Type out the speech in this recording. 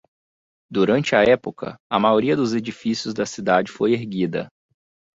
Durante a época, a maioria dos edifícios da cidade foi erguida.